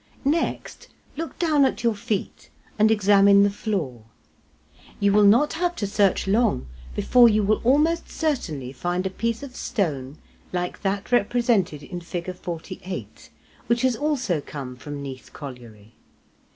Next look down at your feet and examine the floor. You will not have to search long before you will almost certainly find a piece of stone like that represented in Fig. 48, which has also come from Neath Colliery.